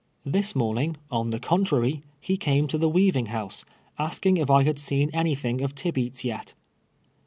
This morning, on the contrary, he came to the weaving liouse, asking if I had seen anything of Til)eats yet.